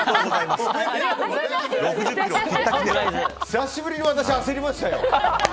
久しぶりに私、焦りましたよ。